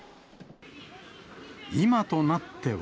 今となっては。